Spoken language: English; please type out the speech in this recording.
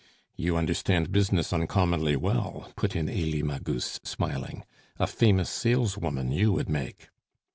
"You understand business uncommonly well!" put in Elie Magus, smiling; "a famous saleswoman you would make!"